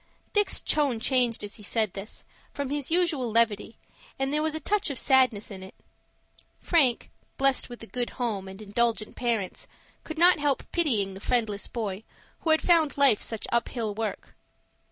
Dick's tone changed as he said this, from his usual levity, and there was a touch of sadness in it. Frank, blessed with a good home and indulgent parents, could not help pitying the friendless boy who had found life such up hill work.